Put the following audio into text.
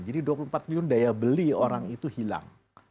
jadi dua puluh empat triliun daya beli orang itu hilang